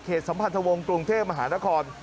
สัมพันธวงศ์กรุงเทพมหานคร